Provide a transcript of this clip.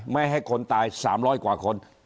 ไม่ให้คนตายสามร้อยกว่าคน